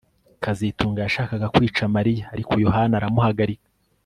kazitunga yashakaga kwica Mariya ariko Yohana aramuhagarika